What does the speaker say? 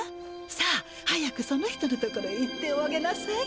さあ早くその人の所へ行っておあげなさい。